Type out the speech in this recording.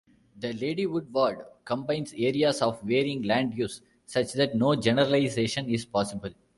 The Ladywood ward combines areas of varying land-use, such that no generalisation is possible.